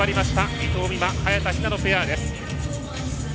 伊藤美誠、早田ひなのペアです。